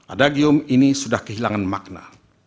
adagium ini sudah kehilangan makna